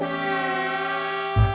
pesan yang terakhir